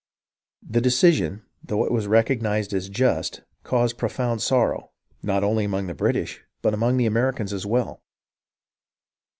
The decision, though it was recognized as just, caused profound sorrow, not only among the British, but among the Americans as well.